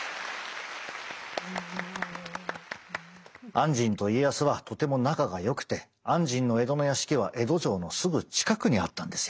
按針と家康はとても仲がよくて按針の江戸の屋敷は江戸城のすぐ近くにあったんですよ。